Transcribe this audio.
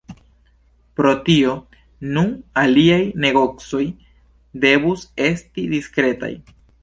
Pro tio, nu, liaj negocoj devus esti diskretaj.